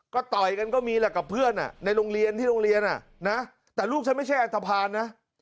ก็ต่อยกันก็มีแหละกับเพื่อนในโรงเรียนที่โรงเรียนแต่ลูกฉันไม่ใช่อันทภาณนะ